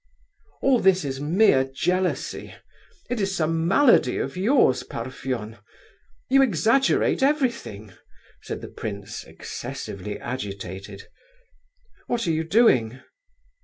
"All this is mere jealousy—it is some malady of yours, Parfen! You exaggerate everything," said the prince, excessively agitated. "What are you doing?"